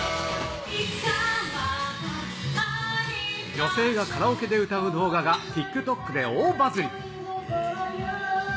女性がカラオケで歌う動画がＴｉｋＴｏｋで大バズり。